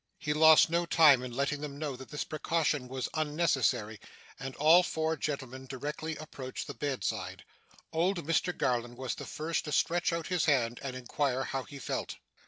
He lost no time in letting them know that this precaution was unnecessary, and all four gentlemen directly approached his bedside. Old Mr Garland was the first to stretch out his hand, and inquire how he felt.